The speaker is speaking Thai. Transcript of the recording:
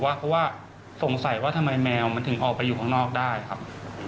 เพราะว่าสงสัยว่าทำไมแมวมันถึงออกไปอยู่ข้างนอกได้ครับ